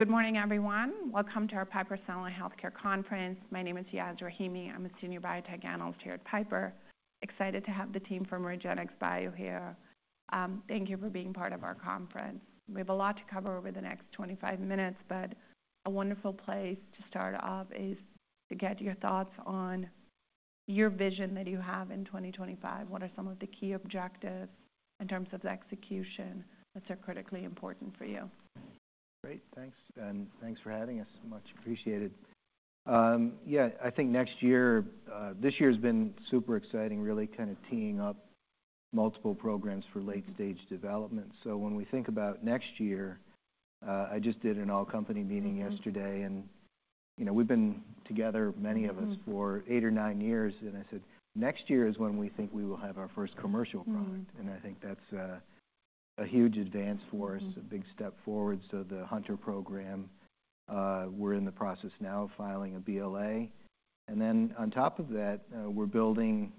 Good morning, everyone. Welcome to our Piper Sandler Healthcare Conference. My name is Yas Rahimi. I'm a Senior Biotech Analyst here at Piper. Excited to have the team from REGENXBIO here. Thank you for being part of our conference. We have a lot to cover over the next 25 minutes, but a wonderful place to start off is to get your thoughts on your vision that you have in 2025. What are some of the key objectives in terms of execution that are critically important for you? Great. Thanks. And thanks for having us. Much appreciated. Yeah, I think next year, this year has been super exciting, really kind of teeing up multiple programs for late-stage development. So when we think about next year, I just did an all-company meeting yesterday, and we've been together, many of us, for eight or nine years. And I said, "Next year is when we think we will have our first commercial product." And I think that's a huge advance for us, a big step forward. So the Hunter program, we're in the process now of filing a BLA. And then on top of that, we're building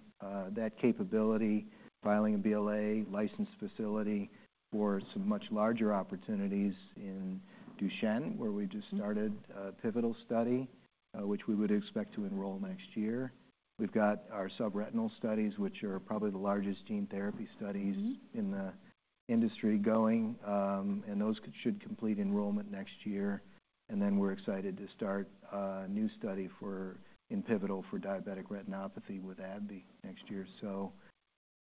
that capability, filing a BLA-licensed facility for some much larger opportunities in Duchenne, where we just started a pivotal study, which we would expect to enroll next year. We've got our subretinal studies, which are probably the largest gene therapy studies in the industry going, and those should complete enrollment next year. And then we're excited to start a new study in pivotal for diabetic retinopathy with AbbVie next year. So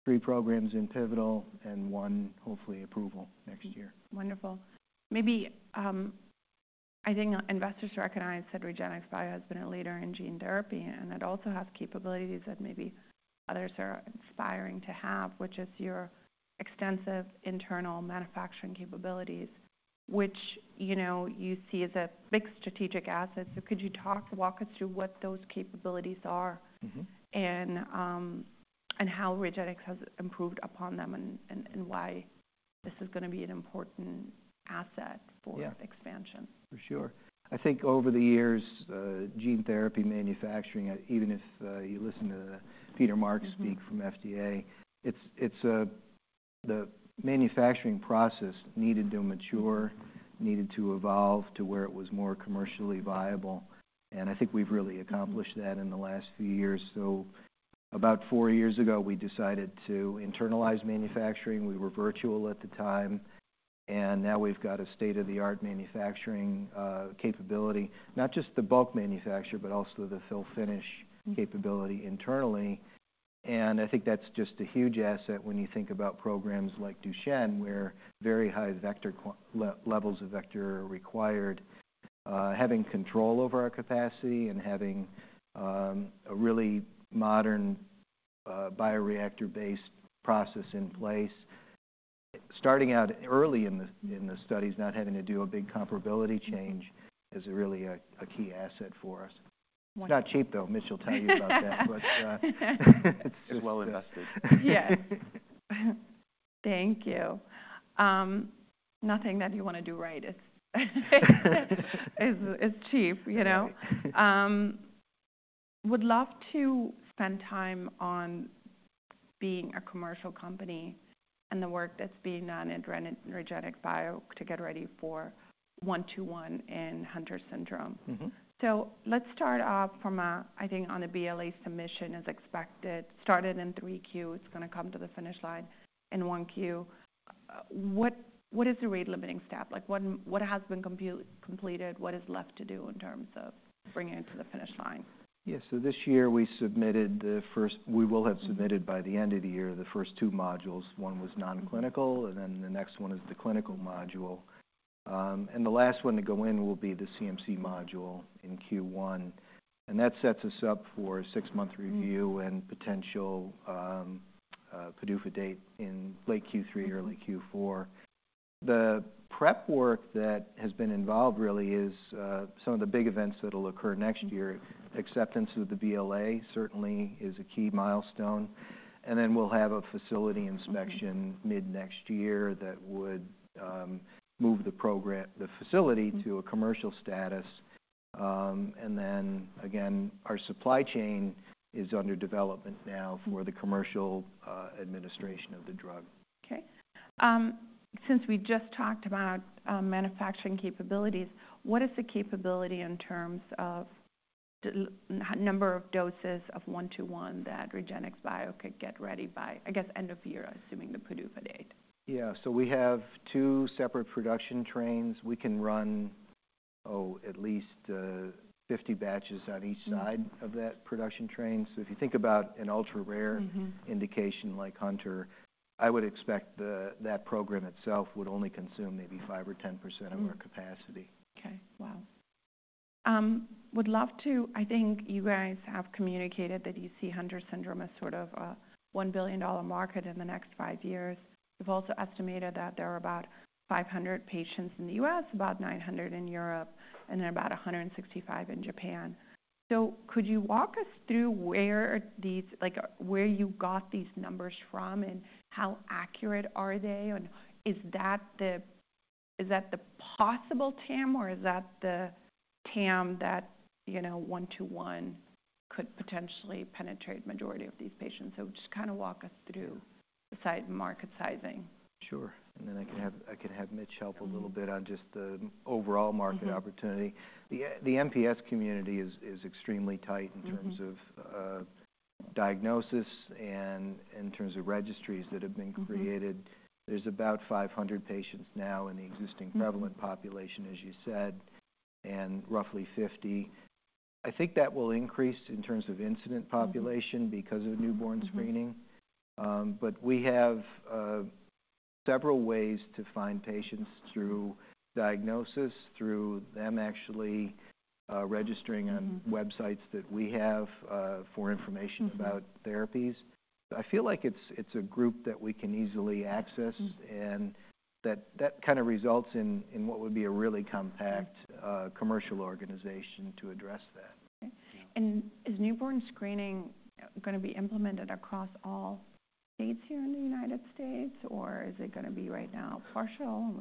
three programs in pivotal and one hopefully approval next year. Wonderful. Maybe I think investors recognize that REGENXBIO has been a leader in gene therapy, and it also has capabilities that maybe others are aspiring to have, which is your extensive internal manufacturing capabilities, which you see as a big strategic asset, so could you talk to walk us through what those capabilities are and how REGENX has improved upon them and why this is going to be an important asset for expansion? Yeah, for sure. I think over the years, gene therapy manufacturing, even if you listen to Peter Marks speak from FDA, it's the manufacturing process needed to mature, needed to evolve to where it was more commercially viable. And I think we've really accomplished that in the last few years. So about four years ago, we decided to internalize manufacturing. We were virtual at the time. And now we've got a state-of-the-art manufacturing capability, not just the bulk manufacture, but also the fill-finish capability internally. And I think that's just a huge asset when you think about programs like Duchenne, where very high levels of vector are required, having control over our capacity and having a really modern bioreactor-based process in place. Starting out early in the studies, not having to do a big comparability change is really a key asset for us. It's not cheap, though. Mitch will tell you about that, but it's well invested. Yeah. Thank you. Nothing that you want to do right is cheap. Would love to spend time on being a commercial company and the work that's being done at REGENXBIO to get ready for RGX-121 in Hunter syndrome. So let's start off from a, I think, on a BLA submission as expected, started in 3Q. It's going to come to the finish line in 1Q. What is the rate-limiting step? What has been completed? What is left to do in terms of bringing it to the finish line? Yeah, so this year we will have submitted by the end of the year the first two modules. One was non-clinical, and then the next one is the clinical module, and the last one to go in will be the CMC module in Q1. And that sets us up for a six-month review and potential PDUFA date in late Q3 or late Q4. The prep work that has been involved really is some of the big events that will occur next year. Acceptance of the BLA certainly is a key milestone, and then we'll have a facility inspection mid-next year that would move the facility to a commercial status, and then, again, our supply chain is under development now for the commercial administration of the drug. Okay. Since we just talked about manufacturing capabilities, what is the capability in terms of number of doses of RGX-121 that REGENXBIO could get ready by, I guess, end of year, assuming the PDUFA date? Yeah. So we have two separate production trains. We can run at least 50 batches on each side of that production train. So if you think about an ultra-rare indication like Hunter, I would expect that program itself would only consume maybe 5% or 10% of our capacity. Okay. Wow. Would love to, I think you guys have communicated that you see Hunter syndrome as sort of a $1 billion market in the next five years. You've also estimated that there are about 500 patients in the U.S., about 900 in Europe, and then about 165 in Japan. Could you walk us through where you got these numbers from and how accurate are they? And is that the possible TAM, or is that the TAM that RGX-121 could potentially penetrate the majority of these patients? Just kind of walk us through the market sizing. Sure. And then I can have Mitch help a little bit on just the overall market opportunity. The MPS community is extremely tight in terms of diagnosis and in terms of registries that have been created. There's about 500 patients now in the existing prevalent population, as you said, and roughly 50. I think that will increase in terms of incident population because of newborn screening. But we have several ways to find patients through diagnosis, through them actually registering on websites that we have for information about therapies. I feel like it's a group that we can easily access, and that kind of results in what would be a really compact commercial organization to address that. Okay, and is newborn screening going to be implemented across all states here in the United States, or is it going to be right now partial?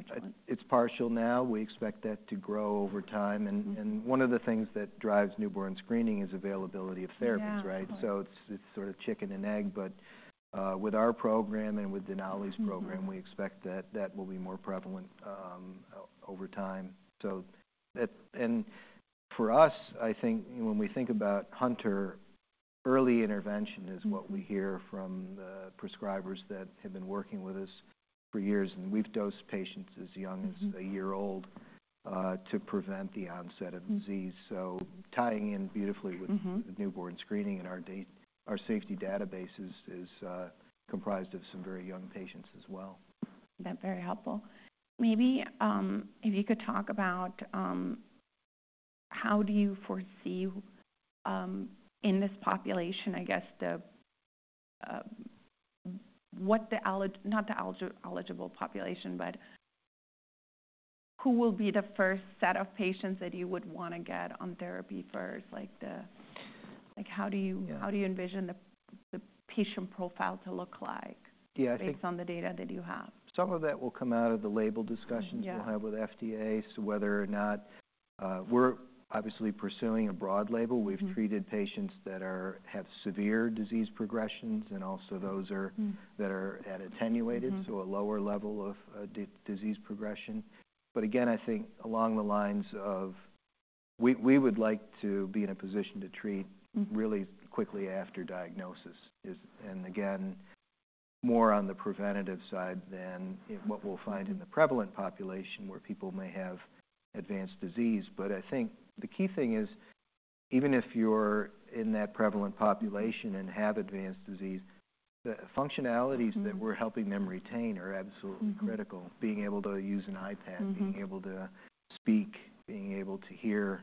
It's partial now. We expect that to grow over time. And one of the things that drives newborn screening is availability of therapies, right? So it's sort of chicken and egg. But with our program and with Denali's program, we expect that that will be more prevalent over time. And for us, I think when we think about Hunter, early intervention is what we hear from the prescribers that have been working with us for years. And we've dosed patients as young as a year old to prevent the onset of disease. So tying in beautifully with newborn screening and our safety databases is comprised of some very young patients as well. That's very helpful. Maybe if you could talk about how do you foresee in this population, I guess, what the, not the eligible population, but who will be the first set of patients that you would want to get on therapy first? How do you envision the patient profile to look like based on the data that you have? Some of that will come out of the label discussions we'll have with FDA as to whether or not we're obviously pursuing a broad label. We've treated patients that have severe disease progressions, and also those that are at attenuated, so a lower level of disease progression. But again, I think along the lines of we would like to be in a position to treat really quickly after diagnosis and, again, more on the preventative side than what we'll find in the prevalent population where people may have advanced disease. But I think the key thing is, even if you're in that prevalent population and have advanced disease, the functionalities that we're helping them retain are absolutely critical. Being able to use an iPad, being able to speak, being able to hear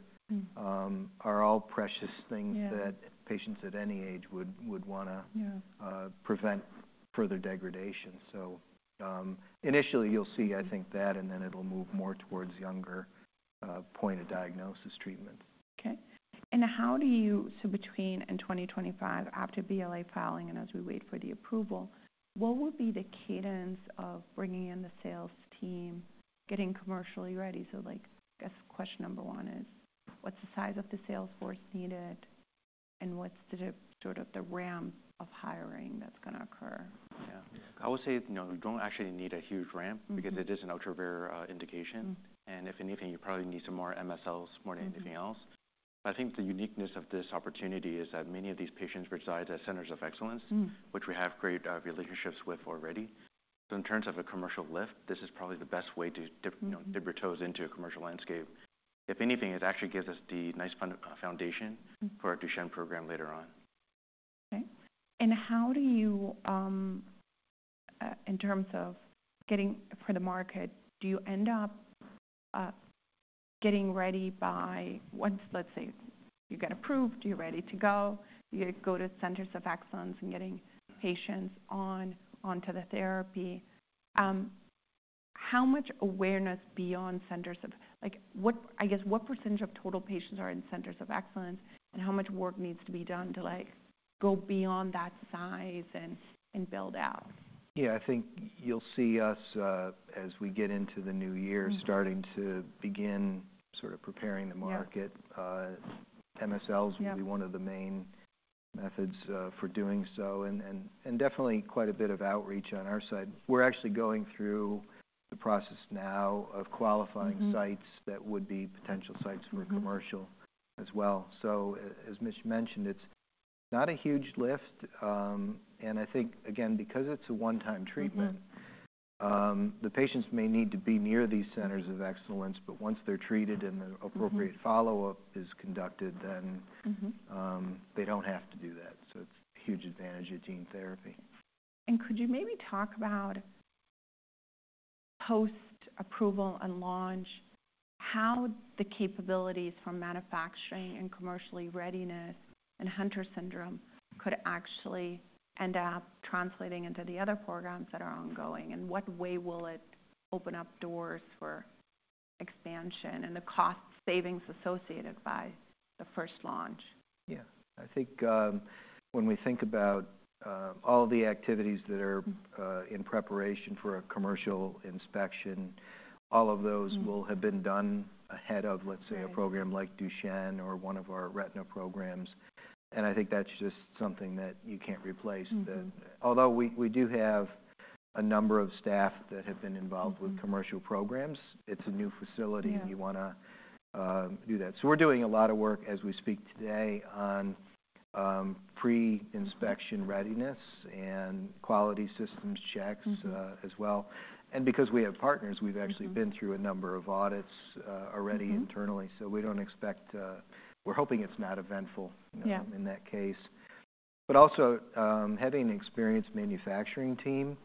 are all precious things that patients at any age would want to prevent further degradation. Initially, you'll see, I think, that, and then it'll move more towards a younger point of diagnosis treatment. Okay. And how do you so between in 2025, after BLA filing and as we wait for the approval, what would be the cadence of bringing in the sales team, getting commercially ready? So I guess question number one is, what's the size of the sales force needed, and what's sort of the ramp of hiring that's going to occur? Yeah. I would say you don't actually need a huge ramp because it is an ultra-rare indication. And if anything, you probably need some more MSLs more than anything else. But I think the uniqueness of this opportunity is that many of these patients reside at centers of excellence, which we have great relationships with already. So in terms of a commercial lift, this is probably the best way to dip your toes into a commercial landscape. If anything, it actually gives us the nice foundation for our Duchenne program later on. Okay. And how do you, in terms of getting to the market, do you end up getting ready by launch, let's say, you get approved, you're ready to go, you go to centers of excellence and getting patients onto the therapy? How much awareness beyond centers of excellence, I guess what percentage of total patients are in centers of excellence, and how much work needs to be done to go beyond that size and build out? Yeah. I think you'll see us, as we get into the new year, starting to begin sort of preparing the market. MSLs will be one of the main methods for doing so. And definitely quite a bit of outreach on our side. We're actually going through the process now of qualifying sites that would be potential sites for commercial as well. So as Mitch mentioned, it's not a huge lift. And I think, again, because it's a one-time treatment, the patients may need to be near these centers of excellence, but once they're treated and the appropriate follow-up is conducted, then they don't have to do that. So it's a huge advantage of gene therapy. Could you maybe talk about post-approval and launch, how the capabilities for manufacturing and commercial readiness and Hunter Syndrome could actually end up translating into the other programs that are ongoing? What way will it open up doors for expansion and the cost savings associated by the first launch? Yeah. I think when we think about all the activities that are in preparation for a commercial inspection, all of those will have been done ahead of, let's say, a program like Duchenne or one of our retina programs. And I think that's just something that you can't replace. Although we do have a number of staff that have been involved with commercial programs, it's a new facility. You want to do that. So we're doing a lot of work as we speak today on pre-inspection readiness and quality systems checks as well. And because we have partners, we've actually been through a number of audits already internally. So we don't expect. We're hoping it's not eventful in that case. But also, having an experienced manufacturing team,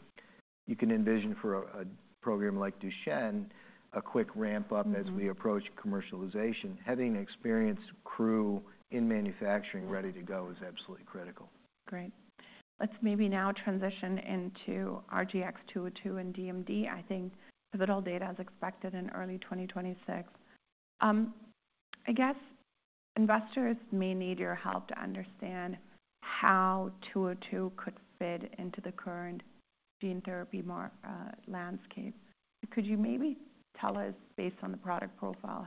you can envision for a program like Duchenne a quick ramp-up as we approach commercialization. Having an experienced crew in manufacturing ready to go is absolutely critical. Great. Let's maybe now transition into RGX-202 and DMD. I think pivotal data as expected in early 2026. I guess investors may need your help to understand how 202 could fit into the current gene therapy landscape. Could you maybe tell us, based on the product profile,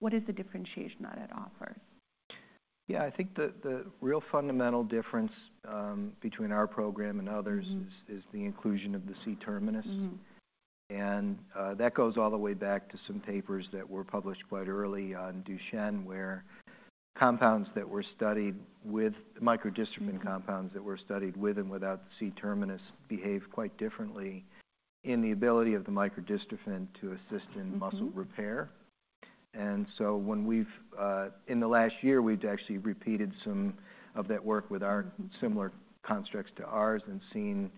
what is the differentiation that it offers? Yeah. I think the real fundamental difference between our program and others is the inclusion of the C-terminus. And that goes all the way back to some papers that were published quite early on Duchenne, where compounds that were studied with microdystrophin, compounds that were studied with and without C-terminus, behave quite differently in the ability of the microdystrophin to assist in muscle repair. And so in the last year, we've actually repeated some of that work with similar constructs to ours and seen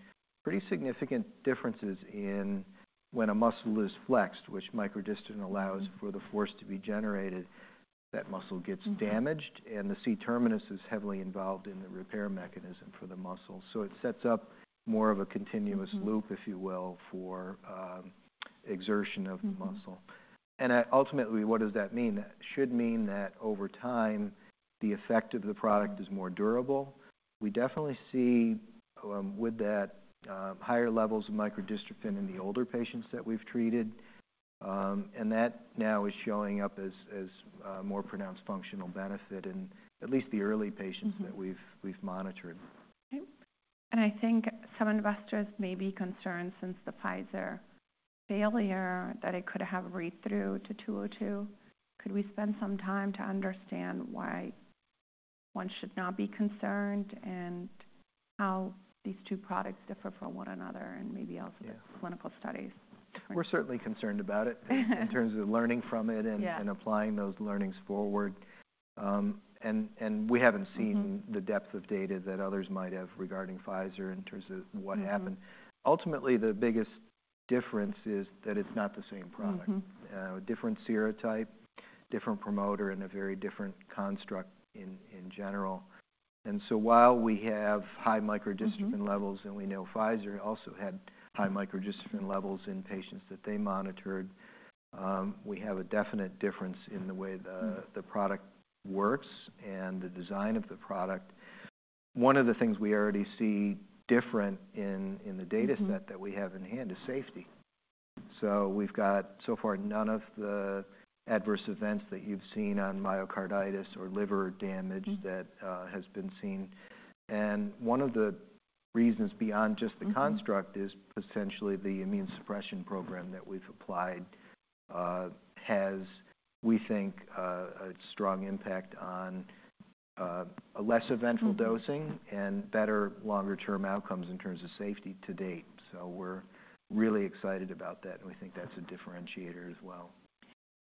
pretty significant differences in when a muscle is flexed, which microdystrophin allows for the force to be generated, that muscle gets damaged, and the C-terminus is heavily involved in the repair mechanism for the muscle. So it sets up more of a continuous loop, if you will, for exertion of the muscle. And ultimately, what does that mean? That should mean that over time, the effect of the product is more durable. We definitely see with that higher levels of microdystrophin in the older patients that we've treated. And that now is showing up as more pronounced functional benefit in at least the early patients that we've monitored. Okay. And I think some investors may be concerned since the Pfizer failure that it could have read-through to 202. Could we spend some time to understand why one should not be concerned and how these two products differ from one another and maybe also the clinical studies? We're certainly concerned about it in terms of learning from it and applying those learnings forward. And we haven't seen the depth of data that others might have regarding Pfizer in terms of what happened. Ultimately, the biggest difference is that it's not the same product. Different serotype, different promoter, and a very different construct in general. And so while we have high microdystrophin levels and we know Pfizer also had high microdystrophin levels in patients that they monitored, we have a definite difference in the way the product works and the design of the product. One of the things we already see different in the data set that we have in hand is safety. So we've got so far none of the adverse events that you've seen on myocarditis or liver damage that has been seen. One of the reasons beyond just the construct is potentially the immune suppression program that we've applied has, we think, a strong impact on less eventful dosing and better longer-term outcomes in terms of safety to date. We're really excited about that, and we think that's a differentiator as well.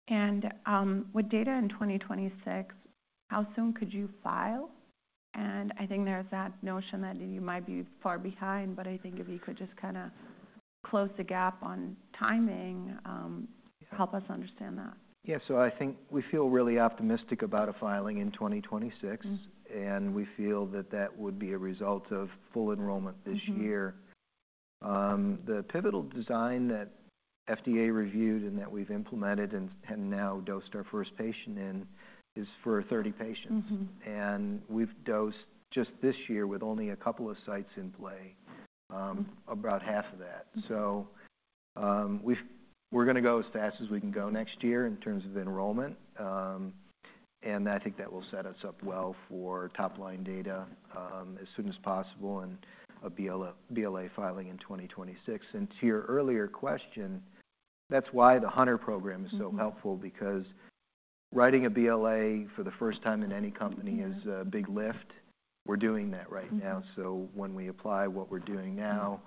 And with data in 2026, how soon could you file? And I think there's that notion that you might be far behind, but I think if you could just kind of close the gap on timing, help us understand that. Yeah. So I think we feel really optimistic about a filing in 2026, and we feel that that would be a result of full enrollment this year. The pivotal design that FDA reviewed and that we've implemented and now dosed our first patient in is for 30 patients. And we've dosed just this year with only a couple of sites in play, about half of that. So we're going to go as fast as we can go next year in terms of enrollment. And I think that will set us up well for top-line data as soon as possible and a BLA filing in 2026. And to your earlier question, that's why the Hunter program is so helpful because writing a BLA for the first time in any company is a big lift. We're doing that right now. So when we apply what we're doing now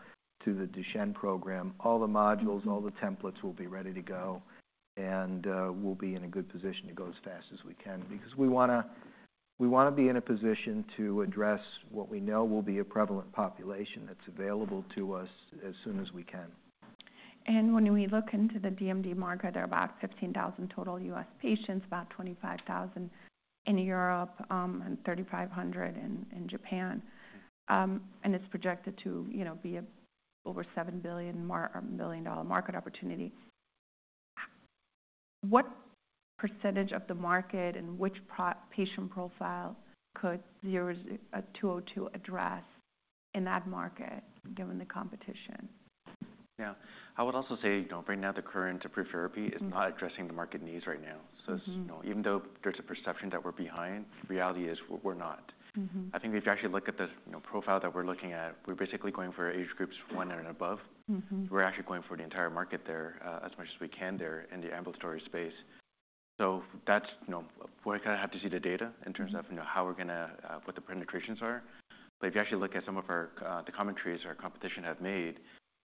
to the Duchenne program, all the modules, all the templates will be ready to go, and we'll be in a good position to go as fast as we can because we want to be in a position to address what we know will be a prevalent population that's available to us as soon as we can. When we look into the DMD market, there are about 15,000 total U.S. patients, about 25,000 in Europe and 3,500 in Japan. It's projected to be over $7 billion market opportunity. What percentage of the market and which patient profile could 202 address in that market given the competition? Yeah. I would also say right now, the current approved therapy is not addressing the market needs right now. So even though there's a perception that we're behind, the reality is we're not. I think if you actually look at the profile that we're looking at, we're basically going for age groups one and above. We're actually going for the entire market there as much as we can there in the ambulatory space. So we're going to have to see the data in terms of how we're going to what the penetrations are. But if you actually look at some of the commentaries our competition has made,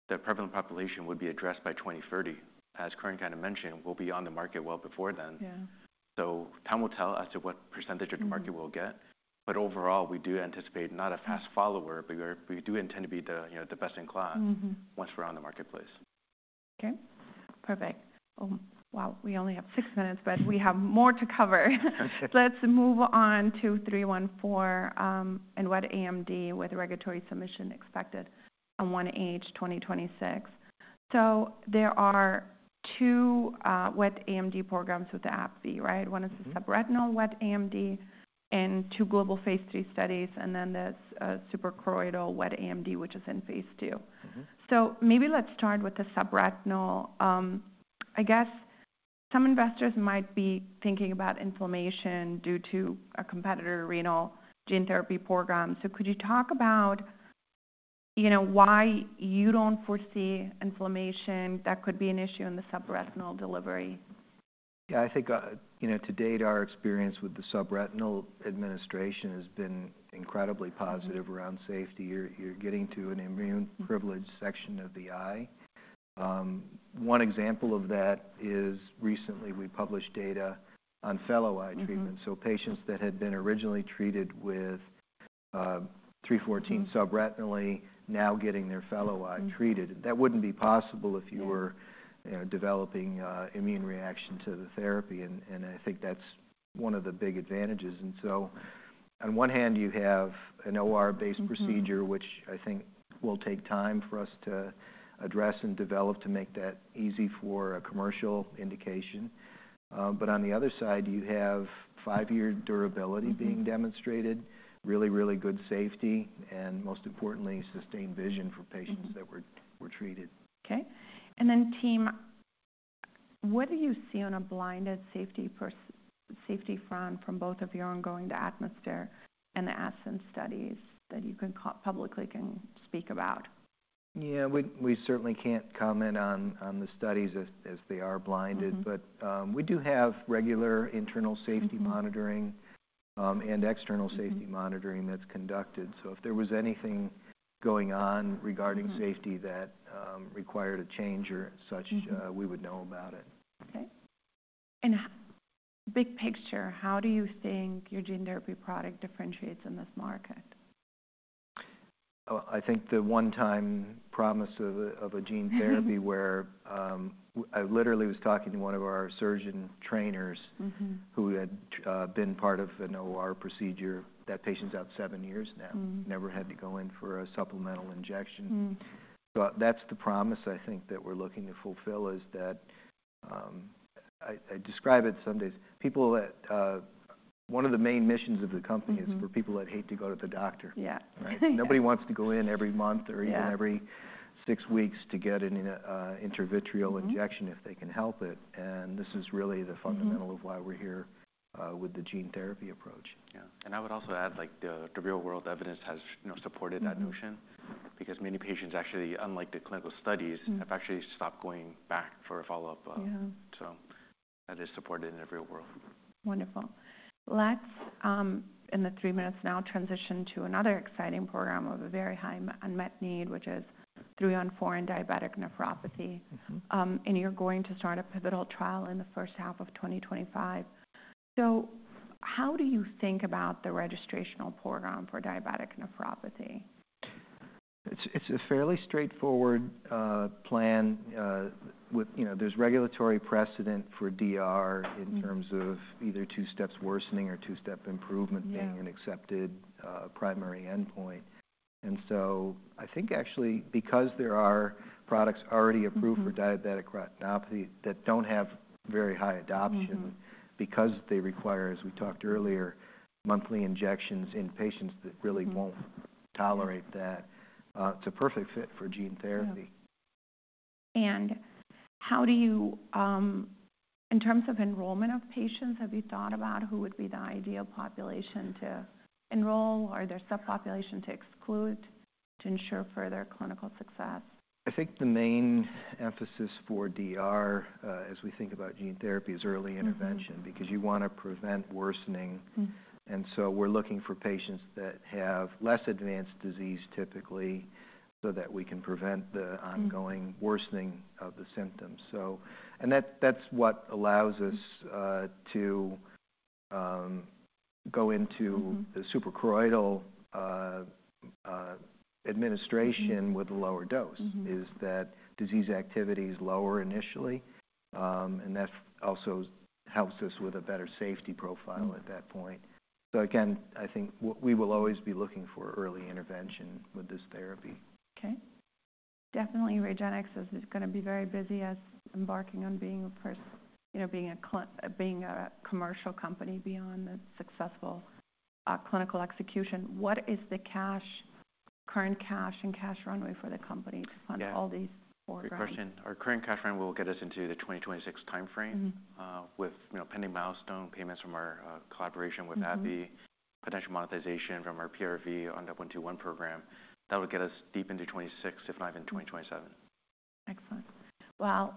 the prevalent population would be addressed by 2030. As Curran kind of mentioned, we'll be on the market well before then. So time will tell as to what percentage of the market we'll get. But overall, we do anticipate not a fast follower, but we do intend to be the best in class once we're on the marketplace. Okay. Perfect. Well, we only have six minutes, but we have more to cover. Let's move on to 314 and wet AMD with regulatory submission expected on 1H 2026. So there are two wet AMD programs with AbbVie, right? One is the subretinal wet AMD and two global phase III studies, and then this suprachoroidal wet AMD, which is in phase II. So maybe let's start with the subretinal. I guess some investors might be thinking about inflammation due to a competitor retinal gene therapy program. So could you talk about why you don't foresee inflammation that could be an issue in the subretinal delivery? Yeah. I think to date, our experience with the subretinal administration has been incredibly positive around safety. You're getting to an immune-privileged section of the eye. One example of that is recently we published data on fellow eye treatment. So patients that had been originally treated with 314 subretinally now getting their fellow eye treated. That wouldn't be possible if you were developing immune reaction to the therapy. And I think that's one of the big advantages. And so on one hand, you have an OR-based procedure, which I think will take time for us to address and develop to make that easy for a commercial indication. But on the other side, you have five-year durability being demonstrated, really, really good safety, and most importantly, sustained vision for patients that were treated. Okay. And then team, what do you see on a blinded safety front from both of your ongoing ATMOSPHERE and the ASCENT studies that you publicly can speak about? Yeah. We certainly can't comment on the studies as they are blinded, but we do have regular internal safety monitoring and external safety monitoring that's conducted. So if there was anything going on regarding safety that required a change or such, we would know about it. Okay. And big picture, how do you think your gene therapy product differentiates in this market? I think the one-time promise of a gene therapy, where I literally was talking to one of our surgeon trainers who had been part of an OR procedure. That patient's out seven years now, never had to go in for a supplemental injection. So that's the promise I think that we're looking to fulfill, is that I describe it some days. One of the main missions of the company is for people that hate to go to the doctor. Nobody wants to go in every month or even every six weeks to get an intravitreal injection if they can help it. And this is really the fundamental of why we're here with the gene therapy approach. Yeah. And I would also add the real-world evidence has supported that notion because many patients, actually, unlike the clinical studies, have actually stopped going back for a follow-up. So that is supported in the real world. Wonderful. Let's, in the three minutes now, transition to another exciting program of a very high unmet need, which is 314 diabetic retinopathy. And you're going to start a pivotal trial in the first half of 2025. So how do you think about the registrational program for diabetic retinopathy? It's a fairly straightforward plan. There's regulatory precedent for DR in terms of either two-step worsening or two-step improvement being an accepted primary endpoint. And so I think actually because there are products already approved for diabetic retinopathy that don't have very high adoption because they require, as we talked earlier, monthly injections in patients that really won't tolerate that, it's a perfect fit for gene therapy. How do you, in terms of enrollment of patients, have you thought about who would be the ideal population to enroll? Are there subpopulations to exclude to ensure further clinical success? I think the main emphasis for DR, as we think about gene therapy, is early intervention because you want to prevent worsening, and so we're looking for patients that have less advanced disease typically so that we can prevent the ongoing worsening of the symptoms, and that's what allows us to go into the suprachoroidal administration with a lower dose is that disease activity is lower initially, and that also helps us with a better safety profile at that point, so again, I think we will always be looking for early intervention with this therapy. Okay. Definitely, REGENX is going to be very busy embarking on being a commercial company beyond the successful clinical execution. What is the current cash and cash runway for the company to fund all these programs? Good question. Our current cash runway will get us into the 2026 timeframe with pending milestone payments from our collaboration with AbbVie, potential monetization from our PRV on the 121 program. That will get us deep into 2026, if not even 2027. Excellent.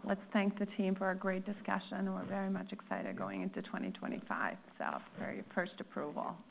Let's thank the team for a great discussion. We're very much excited going into 2025, so very first approval.